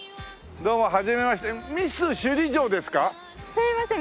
すみません。